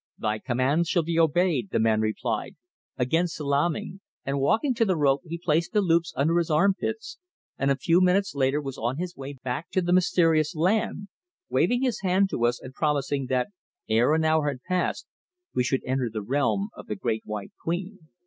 "Thy commands shall be obeyed," the man replied, again salaaming, and, walking to the rope, he placed the loops under his arm pits, and a few minutes later was on his way back to the mysterious land, waving his hand to us and promising that ere an hour passed we should enter the realm of the Great White Queen.